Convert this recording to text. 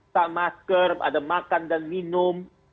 tak masker ada makan dan minum